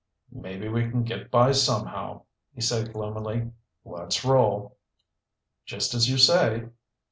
"Maybe we can get by somehow," he said gloomily. "Let's roll." "Just as you say."